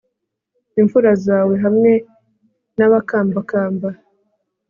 imfura zawe hamwe n'abakambakamba